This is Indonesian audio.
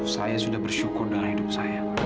saya sudah bersyukur dalam hidup saya